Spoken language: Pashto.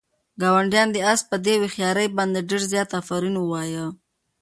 ګاونډیانو د آس په دې هوښیارۍ باندې ډېر زیات آفرین ووایه.